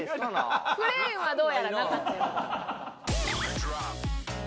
クレーンはどうやらなかったようです。